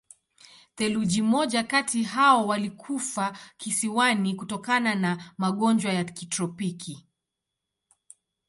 Theluji moja kati hao walikufa kisiwani kutokana na magonjwa ya kitropiki.